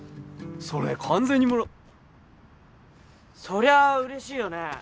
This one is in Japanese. それ完全に村そりゃあ嬉しいよね